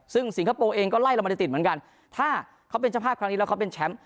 ซึ่งสิงคโปร์เองก็ไล่เราไม่ได้ติดเหมือนกันถ้าเขาเป็นเจ้าภาพครั้งนี้แล้วเขาเป็นแชมป์